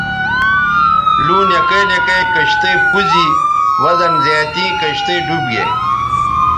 لُوں نکے نکے کشتئ پوز ی وزن زیاتیں کشتئ ڈوب گے